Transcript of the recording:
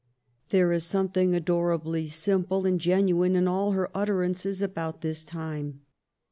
There is something adorably sim ple and genuine in all her utterances about this time.